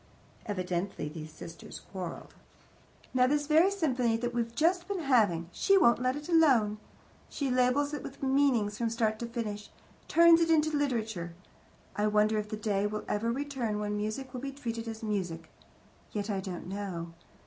Evidently these sisters quarrelled. "Now, this very symphony that we've just been having she won't let it alone. She labels it with meanings from start to finish; turns it into literature. I wonder if the day will ever return when music will be treated as music. Yet I don't know.